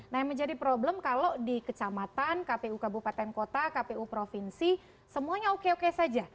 nah yang menjadi problem kalau di kecamatan kpu kabupaten kota kpu provinsi semuanya oke oke saja